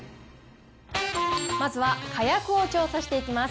まずはかやくを調査していきます。